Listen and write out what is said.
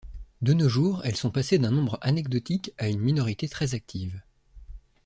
De nos jours, elles sont passées d'un nombre anecdotique à une minorité très active.